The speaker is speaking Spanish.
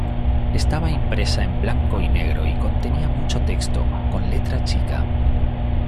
Estaba impresa en blanco y negro y contenía mucho texto, con letra chica.